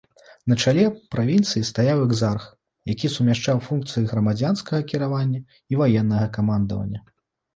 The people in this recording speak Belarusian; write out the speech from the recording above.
На чале правінцыі стаяў экзарх, які сумяшчаў функцыі грамадзянскага кіравання і ваеннага камандавання.